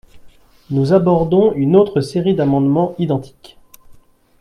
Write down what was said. Nous abordons une autre série d’amendements identiques.